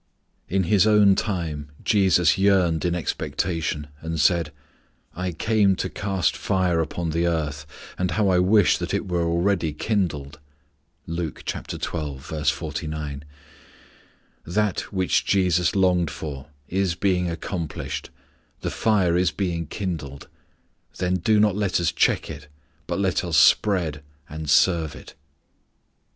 In His own time Jesus yearned in expectation, and said, "I came to cast fire upon the earth, and how I wish that it were already kindled." Luke xii. 49. That which Jesus longed for is being accomplished, the fire is being kindled. Then do not let us check it, but let us spread and serve it.